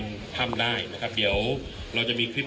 คุณผู้ชมไปฟังผู้ว่ารัฐกาลจังหวัดเชียงรายแถลงตอนนี้ค่ะ